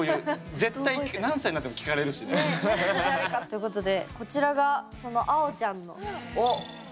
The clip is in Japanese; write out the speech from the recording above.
絶対何歳になっても聞かれるしね。ね。ということでこちらがそのあおちゃんの作品です！